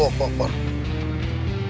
jadi bapak yang nangis